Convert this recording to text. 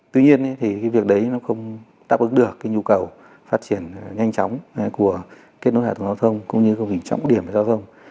tuy nhiên thì việc đấy nó không đáp ứng được nhu cầu phát triển nhanh chóng của kết nối hạ tầng giao thông cũng như hình trọng điểm giao thông